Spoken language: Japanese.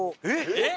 えっ！